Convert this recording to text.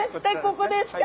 ここですか。